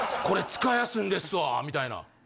「これ使いやすいんですわ」みたいな。